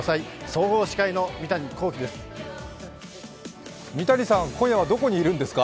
総合司会の三谷幸喜です。